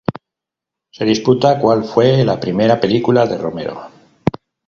Se disputa cuál fue la primera película de Romero.